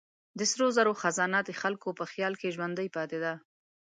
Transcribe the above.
د سرو زرو خزانه د خلکو په خیال کې ژوندۍ پاتې ده.